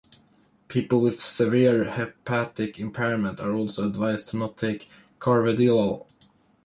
People with severe hepatic impairment are also advised to not take carvedilol.